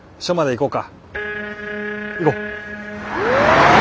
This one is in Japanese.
行こう。